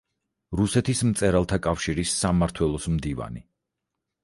რუსეთის მწერალთა კავშირის სამმართველოს მდივანი.